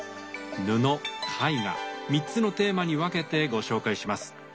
布絵画３つのテーマに分けてご紹介します。